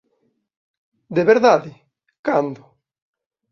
De verdade? Cando?